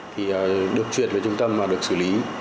thì được truyền về trung tâm và được xử lý